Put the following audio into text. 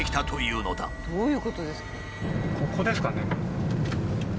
ここですかね？